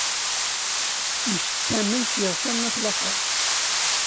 Mcettamen s yiɣsan n at laxert.